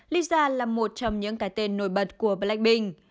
lisa là một trong những cái tên nổi bật của blackpink